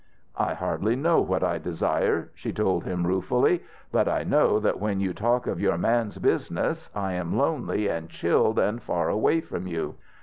"I hardly know what I desire," she told him ruefully. "But I know that when you talk of your man's business I am lonely and chilled and far away from you.